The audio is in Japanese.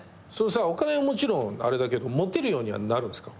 お金はもちろんあれだけどモテるようにはなるんすか？